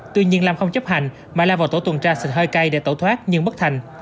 tuy nhiên lam không chấp hành mà la vào tổ tuần tra xịt hơi cay để tẩu thoát nhưng bất thành